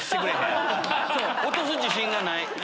落とす自信がない。